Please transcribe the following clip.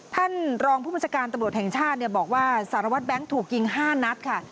ท่านรองผู้บัญชาการตำรวจแห่งชาติบอกว่าสารวัตรแบงค์ถูกยิง๕นัดค่ะ